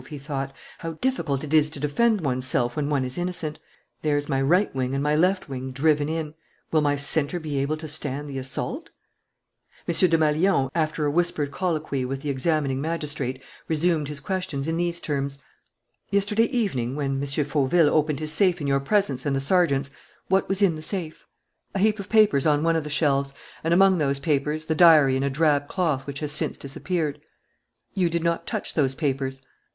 he thought. "How difficult it is to defend one's self when one is innocent. There's my right wing and my left wing driven in. Will my centre be able to stand the assault?" M. Desmalions, after a whispered colloquy with the examining magistrate, resumed his questions in these terms: "Yesterday evening, when M. Fauville opened his safe in your presence and the sergeant's, what was in the safe?" "A heap of papers, on one of the shelves; and, among those papers, the diary in drab cloth which has since disappeared." "You did not touch those papers?"